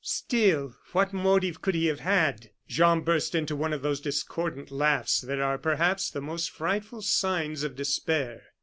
"Still, what motive could he have had?" Jean burst into one of those discordant laughs that are, perhaps, the most frightful signs of despair.